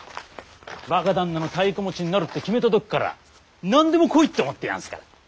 若旦那の太鼓持ちになるって決めたときから何でも来いと思ってやんすから！